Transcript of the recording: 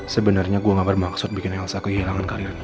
sebenarnya gua nggak bermaksud bikin elsa kehilangan karirnya